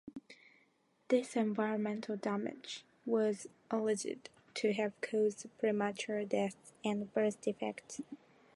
This environmental damage was alleged to have caused premature deaths and birth defects.